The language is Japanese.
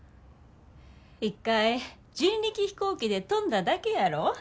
一回人力飛行機で飛んだだけやろ。